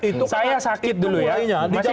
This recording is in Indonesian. ya makanya itu kemulainya di zaman jokowi